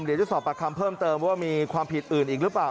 เดี๋ยวจะสอบปากคำเพิ่มเติมว่ามีความผิดอื่นอีกหรือเปล่า